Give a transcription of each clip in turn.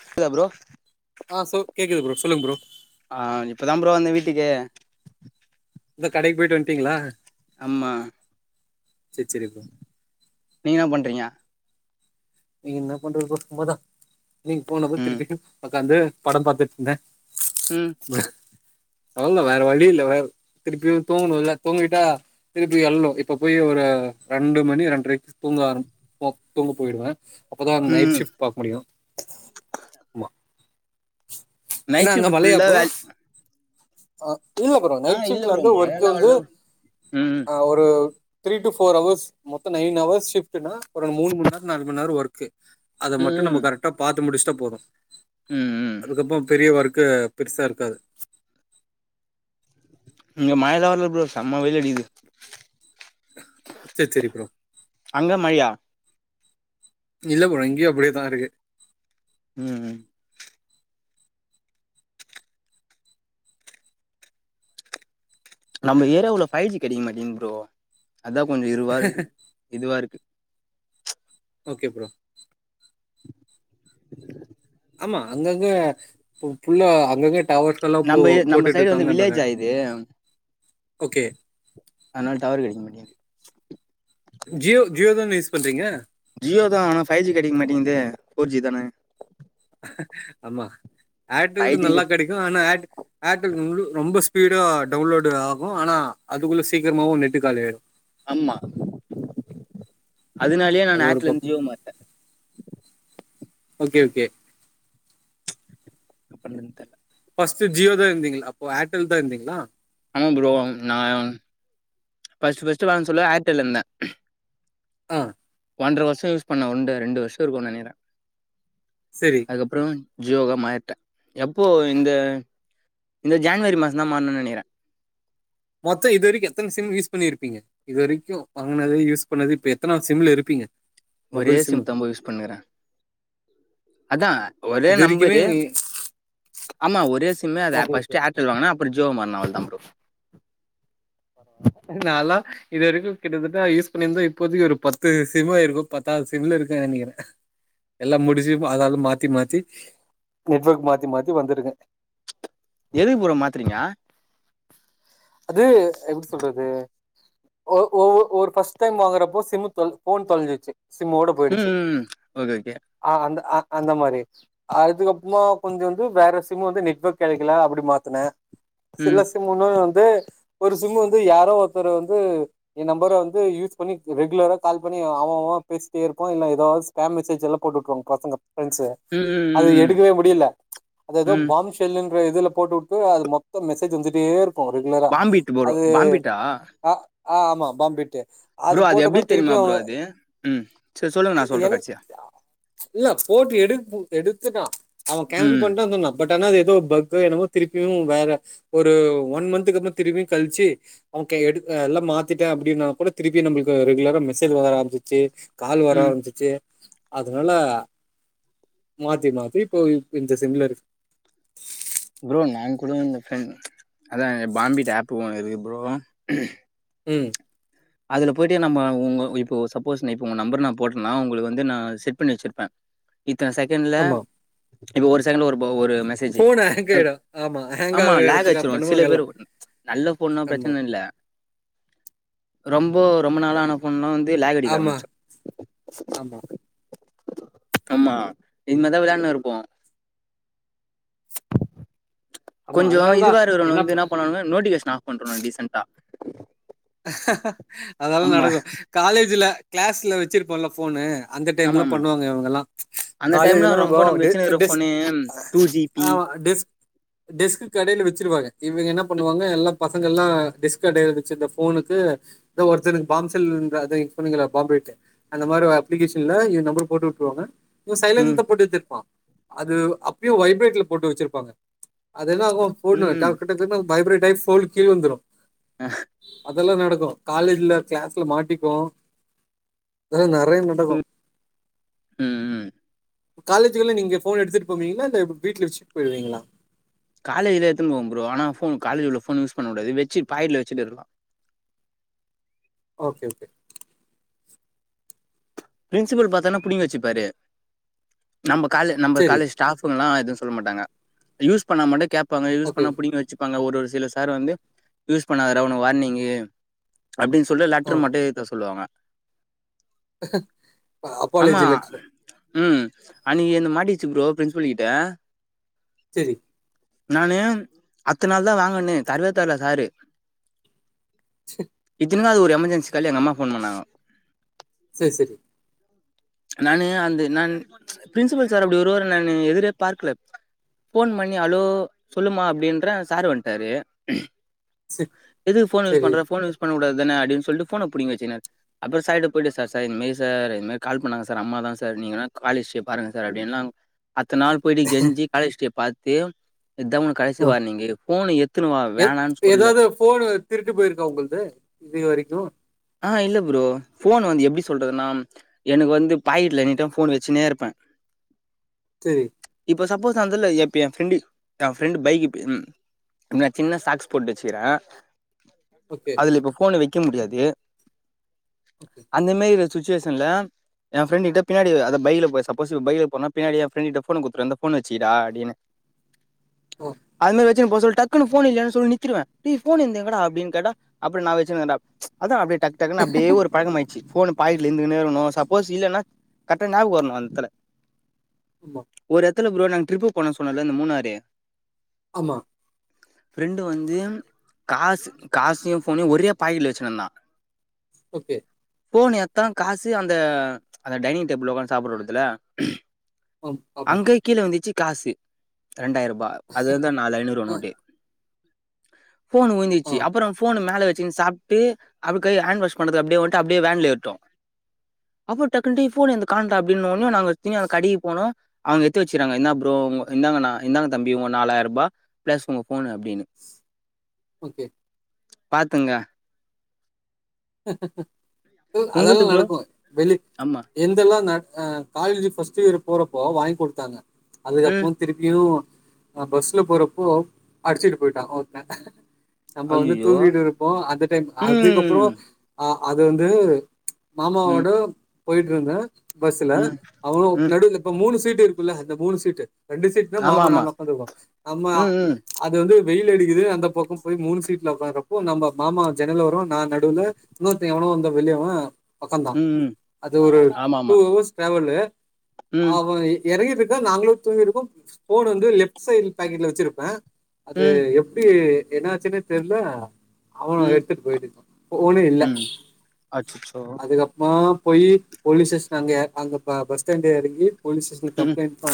க்குதா ப்ரோ ஆ சோ கேக்குது ப்ரோ சொல்லுங்க ப்ரோ ஆ இப்பதா ப்ரோ வந்தே வீட்டுக்கு இந்த கடைக்கு போய்ட்டு வன்ட்டீங்களா அம்மா சரி ப்ரோ நீங்க என்ன பண்றீங்க நீ என்ன பண்றது ப்ரோ சும்மாதா நீங்க போனப்றோ ம் திருப்பியு உக்காந்து படம் பாத்துட்ருந்தே [inaudible] ம் அவுல்தா வேற வழி இல்ல வேற திருப்பியு தூங்கணுல்ல தூங்கிட்டா திருப்பி எல்னு இப்ப போய் ஒரு ரெண்டு மணி ரெண்டரைக்கு தூங்க ஆர போ தூங்க போய்டுவே அப்போதா நைட் ம் ஷிஃப்ட் பாக்க முடியு ஆமா என்ன நைட் அங்க ஷிப்ட் மழையா ஃபுல்லா ப்ரோ வேல அ இல்ல ப்ரோ ஆ நைட் இல்ல ஷிப்ட்ல ப்ரோ வந்து ஒர்க் மழலா வந்து வரல ம் அ ஒரு த்ரீ டு ஃபோர் ஹவர்ஸ் மொத்த நைன் ஹவர்ஸ் ஷிப்ட்டுனா ஒரு மூணு மண்நேர நாலு மண்நேர ஒர்க்கு அத மட்டு ம் நம்ம கரெக்டா பாத்து முடுஸ்ட்டா போது ம் ம் அதுக்கப்போ பெரிய ஒர் க்கு பெருசா இருக்காது இங்க மழலா வர்ல ப்ரோ சம்ம வெயில் அடிக்குது சரி சரி ப்ரோ அங்க மழையா இல்ல ப்ரோ இங்கயு அப்டியேதா இருக்கு ம் ம் நம்ம ஏரியா உள்ள ஃபய்ஜி கெடைக்க மாட்டிங்குது ப்ரோ அதா கொஞ்ச இருவாறுகு இதுவா இருக்கு ஓகே ப்ரோ ஆமா அங்கங்க பு புல்ல அங்கங்க டவர்ஸ்கெல்லாம் போ நம்ப நம்ம போட்டுட்டு சைடு வந்து இருக்காங்கன்றாங்க வில்லேஜா இது ஓகே அத்னால டவறு கடைக்க மாட்டிகுது ஜியோ ஜியோதான யூஸ் பண்றீங்க ஜியோதா ஆனா ஃபைவ் ஜி கடைக்க மாட்டிங்தே ஃபோர் ஜி தான ஆமா ஃபைவ் ஏர்டெல்து ஜி நல்லா கெடைக்கு ஆனா ஏர் ஏர்டெல் முழு ரொம்ப ஸ்பீடா டவுன்லோடு ஆகு ஆனா அதுகுள்ள சீக்கரமாவு நெட்டு காலி ஆய்டு ஆம்மா அதுனாலயே நானு அது ஒரு ஏர்டெல்லருந் பக்கம் ஜியோ மாறிட்டே ஓகே ஓகே அப்பல்லந் தெர்ல ஃபஸ்டு ஜியோதா இருந்தீங்ள அப்போ ஏர்டெல்தா இருந்தீங்ளா ஆமா ப்ரோ நா ஃபஸ்டு ஃபஸ்டு வாங்க சொல்ல ஏர்டெல்ல இருந்தே அ ஒன்ற வர்ஷோ யூஸ் பண்ண ஒன்டு ரெண்டு வர்ஷோ இருக்கு நெனைகுறே சரி அதுக்கப்றோ ஜியோகா மாறிட்ட எப்போ இந்த இந்த ஜென்வரி மாசோந்தா மாற்னுன் நெனைக்குறே மொத்தொ இது வரிக்கு எத்தன சிம் யூஸ் பண்ணிருபீங்க இது வரிக்கு வாங்னது யூஸ் பண்ணது இப்ப எத்தனாது சிம்ல இருபீங்க ஒரே சிம்தா ப்ரோ யூஸ் பண்ணுக்குறே அத்தா ஒரே இது வரைக்குமே நம்பரு ஆமா ஒரே சிம்மு அத ஓகே ஓகே ஃபஸ்டு ஏர்டெல் வாங்குன அப்றோ ஜியோ மாற்ன அவ்ளோதா ப்ரோ நாலா இது வரிக்கு கிட்டதட்ட யூஸ் பண்ணிருந்தா இப்போதிக்கு ஒரு பத்து சிம்மாயிருக்கு பாத்தா அ சிம்ல இருக்க நெனைகுறே எல்லா முடிச்சி அதாது மாத்தி மாத்தி நெட்வொர்க் மாத்தி மாத்தி வந்துருக்கே எதுக்கு ப்ரோ மாத்துறிங்க அது எப்டி சொல்றது ஒ ஒவ் ஒரு ஃபஸ்ட் டைம் வாங்குறப்போ சிம்மு தொல் போன் தொலஞ்சிருசு சிம்மோட ம் போய்ருச்சு ம் ஓகே ஓகே ம் ஆ அந்த அ அந்த மாரி அதுக்கப்றமா கொஞ்சோ வந்து வேற சிம் வந்து நெட்வொர்க் கெடைகுல அப்டி மாத்துனே ம் சில சிம்முமே ஏ ஒரு சிம் வந்து யாரோ ஒருத்தரு வந்து எ நம்பர வந்து யூஸ் பண்ணி ரெகுலரா கால் பண்ணி அவெஅவெ பேசிட்டே இருப்பா இல்ல ஏதாது ஸ்பேம் மெசேஜெல்லா போட்டுட்ருவாங்க பசங்க ஃப்ரெண்ஸு ம் ம் அது ம் ம், எடுகவே முடில அது எதோ ம். பாம் ஷெல்லுன் இதுல போட்டுவுட்டு அது மொத்தொ மெசேஜ் வந்துட்டே இருக் கு ரெகுலரா பாம்பிட் ப்ரோ அது பாம்பிட்டா ஆ ஆமா பாம்பிட்டு அது ப்ரோ எப்டி போட்டபோ தெரியுமா திருப்பியு ப்ரோ அது ம் சரி சொல்லுங்க நா தி சொல்றே எனக் கடைசியா அ இல்ல போட்டு எடுத் எடு த்துட்டா அவ கேன்சல் ம் பண்ட சொன்னா பட் ஆனா ஏதோ பக்கு எனமோ திருப்பியு வேற ஒரு ஒன் மன்துகப்றோ திருப்பியு கழிச்சி ஒகே எடு அ எல்லா மாத்திட்டே அப்டினா கூட திருப்பி நம்லுக்கு ரெகுலரா மெசேஜ் வர ஆரம்பிச்சிசி கால் வர ம் ஆரம்பிச்சிசி அதுனால மாத்தி மாத்தி இப்போ இ இந்த சிம்ல இருக்கு ப்ரோ நா கூட இந்த ஃபரெண்ட் அதா பாம்பிட் ஆப்பு வாங்றத் இருக் ப்ரோ ம் அதுல போய்டு நம்ம உங்க இப்போ சப்போஸ் நீ இப்ப உங்க நம்பர் நா போட்டனா உங்குளுக்கு வந்து நா செட் பண்ணி வெச்சுருப்ப இத்தன செகண்ல ஆமா இப்ப ஒரு செகண்ட்ல ஒரு போ ஒரு மெசேஜி போன் ஹேங் அ ஆயிடும் ஆமா ஹேங் ஆமா லேக் ஆகிறதுக்காக அடிச்சுரு சில பண்ணுவாங்க பேரு எல்லாம் நல்ல போன்னா ஆமா ப்ரச்சன இல்ல அ ரொம்போ ரொம்ப நாளா ஆன போன்னா வந்து லேகடிக்க ஆமா ஆரம்பிச்சு ஆமா ஆமா இந்மாரிதா வெளான்ருப்போ ஆமா கொஞ்சோ அதனாலதான் இதுவா இருக்கிறனவங்க வந்து ப- என்ன பண்ணனு நோட்டிகேஷன் ஆஃப் பன்றனுவானுங்க டீசண்டா அதல்லா ஆமா நடக்கு காலேஜ்ல க்ளாஸ்ல வச்சிருப்போம் இல்ல போனு அந்த ஆமா டைம்லா ஆமா பண்ணுவாங்க இவுங்கல்லா அந்த டைம்ல காலேஜெல்லா ரொம்ப ப்ரோ நம்ம டே வச்சுனுருக்கிற days phone two G B ஆமா டெஸ்க் டெஸ்க்குக்கு அடில வச்சிருவாங்க இவுங்க என்ன பண்ணுவாங்க எல்லா பசங்க எல்லா டெஸ்க் அடில வச்சுதா ஃபோ ஃபோனுக்கு தா ஒருத்தனுக்கு பாம் செல் இன்ற அதே யூஸ் பண்ணுவிங்கள பாம்ரேட்டு அந்த மாறி ஒரு அப்ளிகேஷன்ல ஏ நம்பர் போட்டு உட்டுருவாங்க இவ சைலன்ல ம் தா போட்டு வச்சிருப்பா அது அப்பயு வைப்ரேட்ல போட்டு வச்சிருப்பாங்க அது என்னாகும் ஃபோன்னு வச்சா ம் கிட்டத்தட்ட வைப்ரேட் ஆயி போனு கீல உளுந்துரும் ஆஹ் அதெல்லா நடக்கு காலேஜ்ல க்ளாஸ்ல மாட்டிக்கு அதலா நெறையா நடக்கும் ம் ம் ம் காலேஜுக்குலா நீங்க ஃபோன் எடுத்துட்டு போவீங்களா இல்ல வீட்ல வச்சுட்டு போயிடுவீங்களா காலேஜ்ல எத்துன்னு போவ ப்ரோ ஆனா ஃபோன் காலேஜ் உள்ள ஃபோன் யூஸ் பண்ண கூடாது வெச்சு பாக்கெட்ல வச்சிட்டு இருக்கலா ஓகே ஓகே பிரின்சிபல் பாத்தார்னா புடிங்கி வச்சுப்பாரு நம்ம காலு நம்ப சரி காலேஜ் ஸ்டாப்குலான் எதும் சொல்ல மாட்டாங்க யூஸ் பண்ணாமட்டு கேப்பாங்க யூஸ் ஓகே பண்ணா புடிங்கி வச்சி ப்பாங்க ஒரு ஒரு சில சார் வந்து யூஸ் பண்ணாதடா ஒனக்கு வார்னிங்கு அப்டின் சொல்லி ஆ லெட்டரு மட்டு எழுதி தர சொல்லுவாங்க ஆமா அப்பாலேஜி லெட்டரு ம் அன்னிக்கி என்து மாட்டிகிச்சு ப்ரோ பிரின்ஸிபல் கிட்ட செரி நானு அத்த நாள் தா வாங்கன்னே தரவே தரல சாரு தின்னாது ஒரு எமர்ஜென்சி கால்லே எங்க அம்மா ஃபோன் பண்ணாங்கோ சரி சரி நானு அந்த நான் பிரின்சிபல் சார் அப்டி வருவாரு நானு எதிரே பாக்கல ஃபோன் பண்ணி அளோ சொல்லுமா அப்டின்ற சாரு வன்ட்டாரு சரி எதுக்கு ஃபோன் யூஸ் சரி பண்ற ஃபோன் யூஸ் பண்ண கூடாது வந்தனா அடின் சொல்ட்டு ஃபோன புடிங்கி வச்சிகனாரு அப்பறோ சைடு போயிட்டு சார் சார் இந்மேறி சார் இந் மேறி கால் பண்ணாங்க சார் அம்மா தா சார் நீங்க வேணா கால் ஹிஸ்டிரிய பாருங்க சார் அப்டிலா அத்த நாள் போயிட்டு கெஞ்சி காலேஜ் டே பாத் தேம் இதான் உனுக் கடைசி ஆ வார்னிங்கு ஃபோனு எத்துணுவா எத்- வேணான் சொல்ல ஏதாவது இதுவரைக்கு ஆ இல்ல ப்ரோ ஃபோன் வந்து எப்டி சொல்றதுன்னா எனக்கு வந்து பாக்கெட்ல எனி டைம் ஃபோன் வச்சினே இருப்பே செரி இப்ப சப்போஸ் அந்தல எப் என் ஃப்ரெண்டு் என் ஃப்ரெண்டு் பைக்கு இப் ம் நா சின்ன சாக்ஸ் போட்டு வச்சிக்கிற ஓகே அதுல இப்ப ஃபோனு வைக்க முடியாது அந்த மேரி சுச்சுவேஷன்ல என் ஃப்ரெண்டு கிட்ட பின்னாடி அத பைக்ல போ சப்போஸ் பைக்ல போனா பின்னாடி என் ஃப்ரெண்டு கிட்ட ஃபோன குத்துருவ இந்தா ஃபோனு வச்சிகிடா அப்டின்னு ஆ அந்த மேரி ச்சன் போ சொல் டக்குன்னு ஃபோன் இல்லயா சொல்லி நித்திருவ டேய் ஃபோன் என்து எங்கடா அப்டினு கேட்டா அப்பறோ நான் வச்சினு கீறன்டா அதா அப்டே டக்கு டக்குன்னு அப்டே ஒரு பழக்கமாயிடுச்சு ஃபோனு பாக்கெட்ல இந்துகுனே இருக்கணு சப்போஸ் இல்லேன்னா கரெட்டா நாபகோ வரணு அந்தத்துல ஆமா த்தல ப்ரோ நாங்க ட்ரிப்பு போனோ சொன்ன இல்ல இந்த மூணாறு ஆமா ஃப்ரெண்டு வந்து காசு காசியு ஃபோனையு ஒரே பாக்கெட்ல வச்சுனுந்தான் ஓகே ஃபோன் எத்தா காசு அந்த அந்த டைனிங் டேபிள் உக்காந்து சாப்டடுறதுல ஆம் ஆமா அங்க கீழ விழுந்துச்சு காசு ரெண்டாயிர ருபா அது வந்து நாலு ஐநூறுவா ஆ நோட்டு ஃபோன் ஆ உழுந்தீச்சி அப்பறோ ஃபோனு மேல வச்சுன்னு சாப்ட்டு அ கை ஹாண் வாஷ் பன்னறதுக் அப்டே ஓட்டு அப்டே வேன்ல ஏற்ட்டோ அப்ப டக்குன்டி ஃபோன் என்த காணோட அப்டின்னோஞூ நாங்க திமி கடிக் போனோ அங்க எடுத்து வச்சராங்க என்ன ப்ரோ இந்தாங்கனா இந்தாங்க தம்பி உங்க நாலாயிர ருபா ப்ளஸ் உங்க போனு அப்டின்னு ஓகே பாத்துங்க அதெல்லா உங்களுது ப்ரோ நடக்கு வெளி ஆமா என்தெல்லா நட அஹ் காலேஜ் ஃபஸ்ட் இயர் போறப்போ வாங்கி் குடுத்தாங்க ம் அதுக்கப்போ திருப்பியு அஹ் பஸ்ல போறப்போ அடிச்சிட்டு போயிட்டா ஒருத்த நம்ம வந்து ஐயையோ தூங்கிட்டு இருப்போ அந்த டைம் அதுக்கப்றோ ம் அஹ் அது வந்து ம் மாமாவோட போயிட்டு இருந்த பஸ்ல ம் அவ்ளோ ம் நடுல இப்ப மூணு சீட் இருக்குல்ல இந்த மூணு சீட்டு ரெண்டு சீட்ல ஆமா மாமா ஆமா நானு உக்காந்துருக்கோ நம்ம ம் ம் அது வந்து வெயில் அடிக்குது அந்த பக்கோ போய் மூணு சீட்ல உக்காரப்போ நம்ம மாமா ஜன்னல் ஓரோ நா நடுல இன்னொருத்த எவனோ வந்த வெளியவ பக்கோ தா ம் ம் அது ஒரு ஆமா டூ ஆமா ஹவர்ஸ் டிராவல்லு ம் அவ எறங்கிடிருக்க நாங்களு தூங்கிட்ருக்கோ ஃபோன் வந்து லெஃப்ட் சைடு் பாக்கெட்ல வச்சிருப்ப அது ம் எப்டி என்னாச்சுன்னே தெர்ல அவோ எடுத்துட்டு போயிட்டு இருக்கா ஃபோனே இல்ல உம் அச்சச்சோ போயி போலீஸ் ஸ்டேஷன்ல அங்க அங்க பஸ் ஸ்டாண்ட்ல எறங்கி போலீஸ் ஸ்டேஷன்ல ம் கம்ப்ளைண்ட் [inaudible]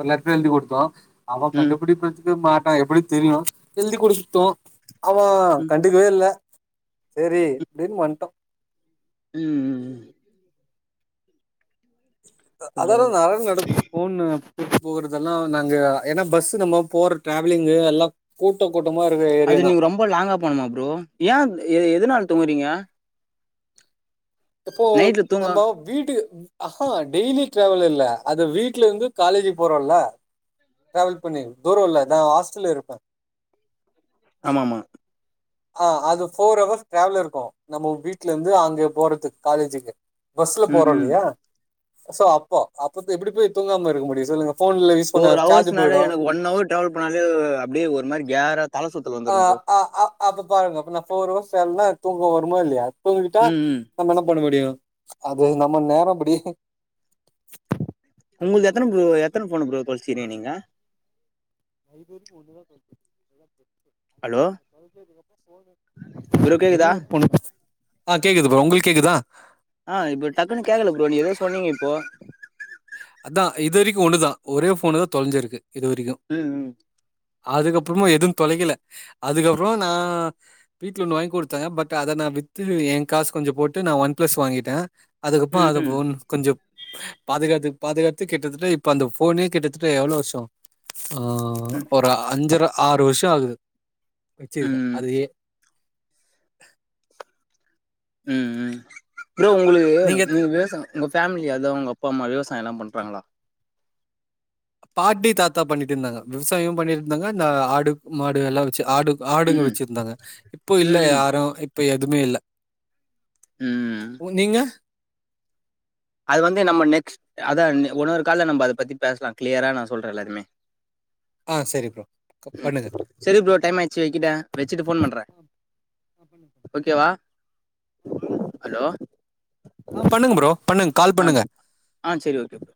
ஒரு லெட்டர் எழுதி குடுத்தோ அவ ம் கண்டுபுடிப் க்க மாட்டா எப்டி தெரியு எழுதி குடுத்தோ அவ ம் கண்டிக்கவே இல்ல சேரி அப்டின்னு வன்டோ உம் உம் அதல்லா பரவால்ல நெறய நடக்கு ஃபோனு போறதெல்லா நாங்க ஏன்னா பஸ்ஸு நம்ம போற ட்ராவலிங்கு எல்லா கூட்டோ அது நீங்க ரொம்ப லாங்கா போனுமா ப்ரோ ஏன் எதுனால தூங்கறீங்க இப்போ நைட்ல தூங்க நம்போ வீட்டுக் அஹ்ஹா டெய்லி ட்ராவல் இல்ல அது வீட்ல இருந்து காலேஜி போறோல்ல டிராவல் பண்ணி தூரோ இல்ல நா ஹாஸ்டல்ல இருப்ப ஆமாமா ஆஹ் அது ஃபோர் ஹவர்ஸ் ட்ராவல் இருக்கு நம்ம வீட்ல இருந்து அங்கே போறதுக் காலேஜிக்கு பஸ்ல ம் போறோ ம் இல்லையா சோ அப்போ அப்பத்த எப்டி போய் தூங்காமா இருக்க முடியு சொல்லுங்க ஃபோன்ல யூஸ் பண்ண ஃபோர் சார்ஜ் ஹவர்ஸ்னாலே போயிடு எனக்கு ஒன் அவர் ட்ராவல் பண்ணாலே அப்டே ஒரு மாரி கேர்ரா தல சுத் ஆஹ் அஹ் அஹ் அப்ப பாருங்க அப்ப நா ஃபோர் அவர்ஸ் ட்ராவல்ன்னா தூக்கோ வருமா இல்லையா தூங்கிட்டா ம் ம் நம்ப என்ன பண்ண முடியு அது நம்ம நேரோ அப்டி உங்ளுது எத்தன ப்ரோ எத்தன ஃபோனு ப்ரோ தொலைச்சிக்றிங்க நீங்க நா இது வரிக்கு ஒன்னுதா [unintelligible] அங்க ஹலோ அந்த தொலஞ்சதுகப்றோ ஃபோனு ப்ரோ ஒரே கேக்குதா ஒரு ஃபோனு ஆஹ் கேக்குது ப்ரோ உங்களுக்கு கேக்குதா ஆஹ் இப்போ டக்குன்னு கேக்கல ப்ரோ நீ எதோ சொன்னீங்க இப்போ அதா இது வரிக்கு ஒண்ணுதா ஒரே ஃபோனு தா தொலைஞ்சிருக்கு இது வரைக்கு உம் உம் அதுக்கப்புறமா எதுவு தொலைக்கல அதுக்கப்புறோ நா வீட்ல ஒண்ணு வாங்கி குடுத்த பட் அத நா வித் வித்து ஏ காசு கொஞ்சோ போட்டு நா ஒன் ப்ளஸ் வாங்கிட்ட அதுக்கப்போ அத ம் ஃபோன் கொஞ்சோ பாதுகாத்து பாதுகாத்து கிட்டத்தட்ட இப்ப அந்த ஃபோனே கிட்டத்தட்ட எவ்வளோ வருஷோ ஆ ம் ஒரு அஞ்சரை ஆறு வருஷ ஆகுது ம் வச்சிருக்கே ம் அதயே ம் ம் ப்ரோ உங்களுக்கு நீங்க பேசனு உங்க ஃபேமிலி அதா உங்க அப்பா அம்மா விவசாய எல்லா பண்றாங்களா பாட்டி தாத்தா பண்ணிட்டு இருந்தாங்க விவசாயம் பண்ணிட்டு இருந்தாங்க இந்த ஆடு மாடு எல்லா வச்சு ஆடு ஆடுங்க ம் வச்சிருந்தாங்க இப்போ இல்ல ம் யாரு இப்ப எதுமே இல்ல ம் ம் நீங்க அது வந்து நம்ம நெக்ஸ்ட் அதா ஒன்னொரு கால்ல நம்ம அத பத்தி பேசலா கிளியரா நா சொல்றே எல்லாருமே ஆ சரி ப்ரோ. க ம் பண்ணுங்க. செரி ப்ரோ டைம் ஆயிச்சு வெக்கிட்டே வெச்சுட்டு ஃபோன் பண்றே பண்ணுங்க. ஓகேவா ஆ ஹலோ பண்ணுங்க ப்ரோ பண்ணுங்க கால் அ பண்ணுங்க. ஆ செரி ஓகே ப்ரோ